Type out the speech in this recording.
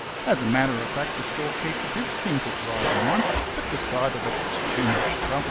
As a matter of fact the storekeeper did think of writing one, but decided that it was too much trouble.